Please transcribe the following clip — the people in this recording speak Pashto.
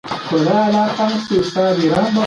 زه په دې کلا کې د تېرو دېرشو کلونو راهیسې اوسیږم.